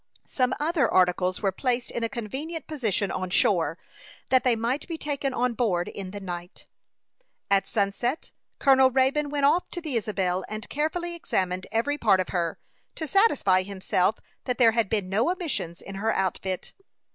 Some other articles were placed in a convenient position on shore, that they might be taken on board in the night. At sunset, Colonel Raybone went off to the Isabel, and carefully examined every part of her, to satisfy himself that there had been no omissions in her outfit.